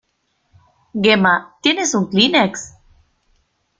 Gemma, ¿tienes un kleenex?